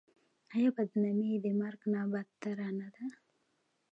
آیا بدنامي د مرګ نه بدتره نه ده؟